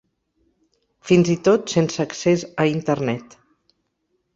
Fins i tot sense accés a Internet.